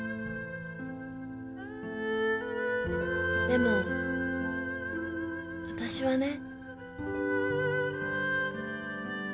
でも私はね。